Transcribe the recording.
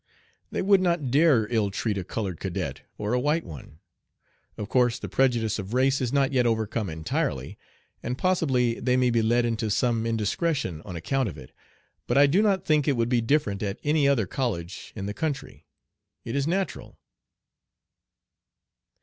They would not dare ill treat a colored cadet or a white one. Of course the prejudice of race is not yet overcome entirely, and possibly they may be led into some indiscretion on account of it; but I do not think it would be different at any other college in the country. It is natural.